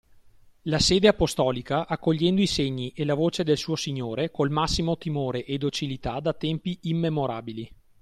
La Sede Apostolica, accogliendo i segni e la voce del suo Signore col massimo timore e docilità, da tempi immemorabili